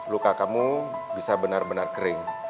luka kamu bisa benar benar kering